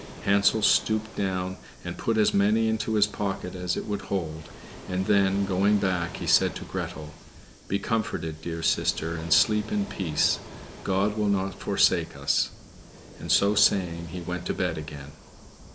Hansel stooped down, and put as many into his pocket as it would hold; and then, going back, he said to Gretel, "Be comforted, dear sister, and sleep in peace; God will not forsake us." And so saying, he went to bed again.